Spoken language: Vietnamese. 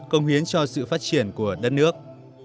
công hiến cho sự phát triển của đất nước